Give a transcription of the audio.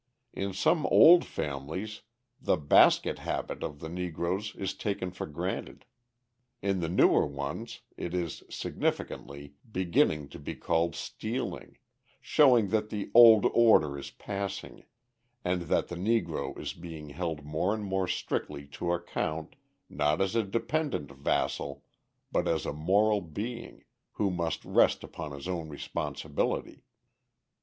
In some old families the "basket habit" of the Negroes is taken for granted; in the newer ones, it is, significantly, beginning to be called stealing, showing that the old order is passing and that the Negro is being held more and more strictly to account, not as a dependent vassal, but as a moral being, who must rest upon his own responsibility.